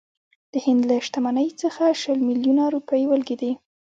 د هند له شتمنۍ څخه شل میلیونه روپۍ ولګېدې.